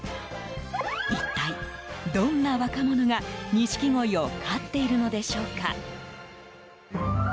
一体、どんな若者がニシキゴイを飼っているのでしょうか？